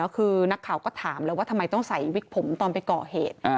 คือนักข่าวก็ถามเลยว่าทำไมต้องใส่วิกผมตอนไปก่อเหตุ